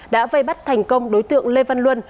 đã vây bắt thành công đối tượng lê văn luân